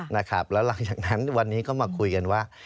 นะครับแล้วหลังจากนั้นวันนี้ก็มาคุยกันว่า